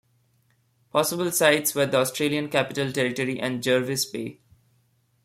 Possible sites were the Australian Capital Territory and Jervis Bay.